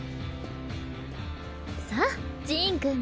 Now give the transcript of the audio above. さあジーンくんも。